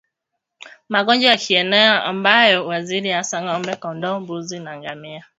magonjwa ya kieneo ambayo huathiri hasa ngombe kondoo mbuzi na ngamia